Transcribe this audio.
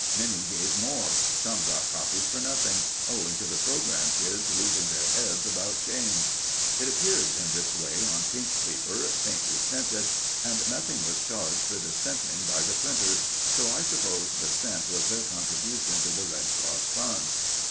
Many gave more; some got copies for nothing, owing to the programme kids losing their heads about change. It appeared in this way on pink paper, faintly scented, and nothing was charged for the scenting by the printers, so I suppose the scent was their contribution to the Red Cross Fund.